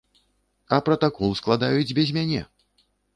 А пратакол складаюць без мяне!